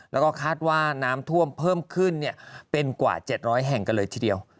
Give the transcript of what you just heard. แล้วก็คาดว่าน้ำท่วมเพิ่มขึ้นเป็นกว่า๗๐๐แห่งกันเลยทีเดียว